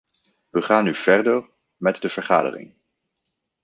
We gaan nu verder met de vergadering.